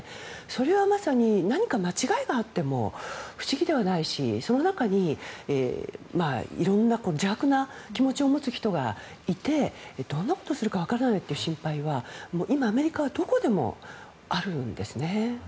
それはまさに何か間違いがあっても不思議ではないし、その中にいろんな邪悪な気持ちを持つ人がいてどんなことをするか分からないという心配は今、アメリカではどこでもあるんですね。